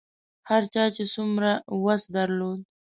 هر چا چې څومره وس درلود.